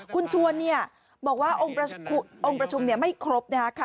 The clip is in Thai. คุณชวนเนี่ยบอกว่าองค์ประชุมเนี่ยไม่ครบนะฮะ